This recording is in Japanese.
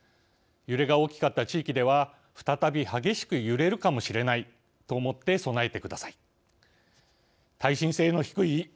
揺れが大きかった地域では再び激しく揺れるかもしれないと思って備えてください。